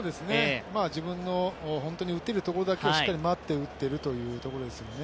自分の本当に打てるところだけをしっかり待って打ってるというところですよね。